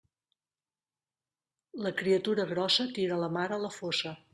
La criatura grossa tira la mare a la fossa.